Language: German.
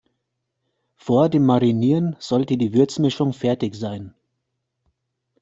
Vor dem Marinieren sollte die Würzmischung fertig sein.